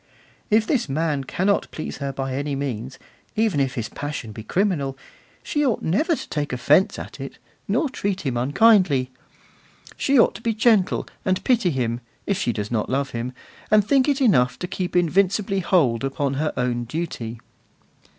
If this man cannot please her by any means, even if his passion be criminal, she ought never to take offence at it, nor treat him unkindly; she ought to be gentle, and pity him, if she does not love him, and think it enough to keep invincibly hold upon her own duty.